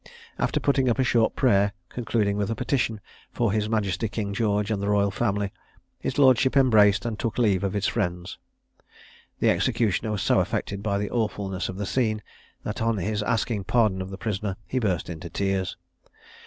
After putting up a short prayer, concluding with a petition for his majesty King George and the royal family, his lordship embraced and took leave of his friends. The executioner was so affected by the awfulness of the scene, that on his asking pardon of the prisoner, he burst into tears.